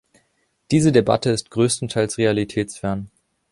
Diese Debatte ist größtenteils realitätsfern.